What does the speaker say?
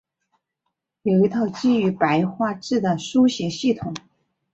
有一套基于白话字的书写系统。